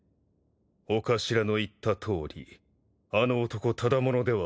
御頭の言ったとおりあの男ただ者ではありません。